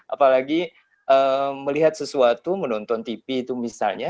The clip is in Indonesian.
apalagi melihat sesuatu menonton tv itu misalnya